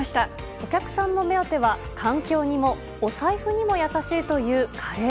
お客さんの目当ては、環境にもお財布にも優しいというカレー。